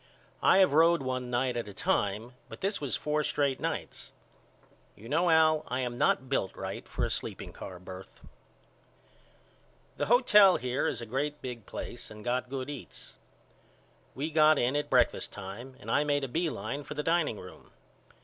I have road one night at a time but this was four straight nights. You know Al I am not built right for a sleeping car birth. The hotel here is a great big place and got good eats. We got in at breakfast time and I made a B line for the dining room.